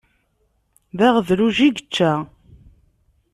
D aɣedluj i yečča.